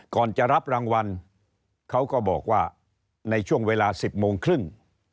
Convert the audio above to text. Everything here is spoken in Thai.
ก่อนจะรับรางวัลเขาก็บอกว่าในช่วงเวลา๑๐โมงครึ่ง